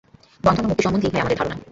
বন্ধন ও মুক্তি সম্বন্ধে ইহাই আমাদের ধারণা।